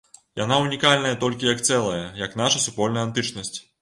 Яна ўнікальная толькі як цэлае, як наша супольная антычнасць.